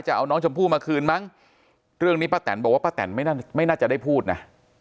จะเอาน้องชมพู่มาคืนมั้งเรื่องนี้ป้าแตนบอกว่าป้าแตนไม่น่าจะได้พูดนะ